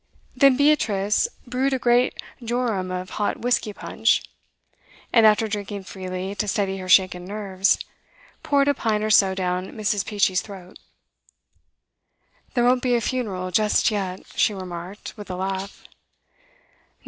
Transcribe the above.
Then Beatrice brewed a great jorum of hot whisky punch, and after drinking freely to steady her shaken nerves, poured a pint or so down Mrs. Peachey's throat. 'There won't be a funeral just yet,' she remarked, with a laugh.